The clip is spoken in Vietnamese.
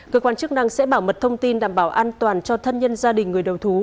cơ quan chức năng sẽ bảo mật thông tin đảm bảo an toàn cho thân nhân gia đình người đầu thú